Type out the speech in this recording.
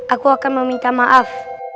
aku akan meminta maaf